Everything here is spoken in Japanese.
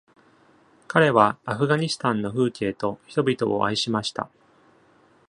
彼はアフガニスタンの風景と人々を愛しました。